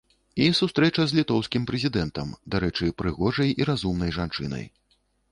І сустрэча з літоўскім прэзідэнтам, дарэчы, прыгожай і разумнай жанчынай.